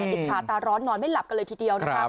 อิจฉาตาร้อนนอนไม่หลับกันเลยทีเดียวนะครับ